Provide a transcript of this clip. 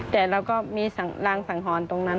แต่เราก็มีรางสังหรณ์ตรงนั้น